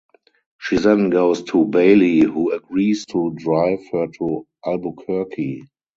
She then goes to Bailey who agrees to drive her to Albuquerque.